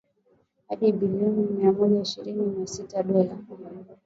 hadi billioni mia moja ishirini na sita dola